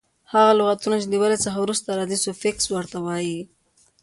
هغه لغتونه چي د ولي څخه وروسته راځي؛ سوفیکس ور ته وایي.